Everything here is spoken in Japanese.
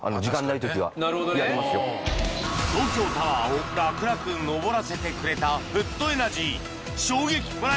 なるほどね東京タワーを楽々上らせてくれたフットエナジー